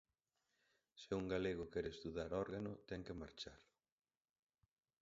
Se un galego quere estudar órgano ten que marchar.